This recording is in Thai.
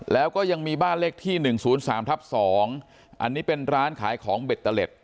แล้วก็ยังมีบ้านเลขที่๑๐๓ทับ๒อันนี้เป็นร้านขายของเบตเตอร์เล็ต